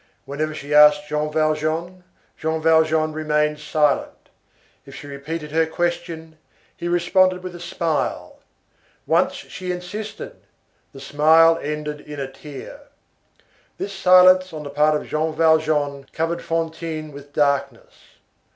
Whenever she asked Jean Valjean, Jean Valjean remained silent. If she repeated her question, he responded with a smile. Once she insisted; the smile ended in a tear. This silence on the part of Jean Valjean covered Fantine with darkness.